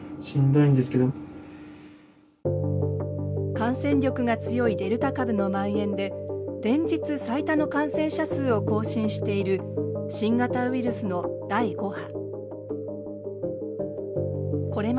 感染力が強いデルタ株のまん延で連日最多の感染者数を更新している新型ウイルスの第５波。